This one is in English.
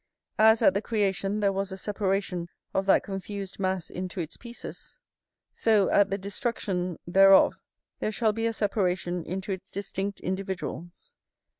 As at the creation there was a separation of that confused mass into its pieces; so at the destruction thereof there shall be a separation into its distinct individuals.